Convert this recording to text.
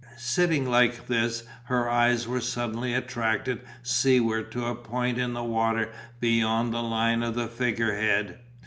Sitting like this her eyes were suddenly attracted seaward to a point in the water beyond the line of the figure head.